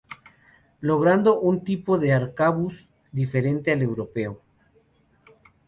Logrando un tipo de arcabuz diferente al europeo.